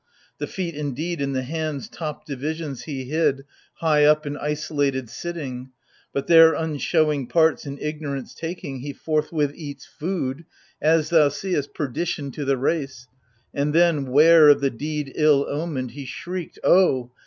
The feet indeed and the hands' top divisions He hid, high up and isolated sitting : But, their unshowing parts in ignorance taking, He forthwith eats food — as thou seest — perdition To the race : and then, 'ware of the deed ill omened, He shrieked O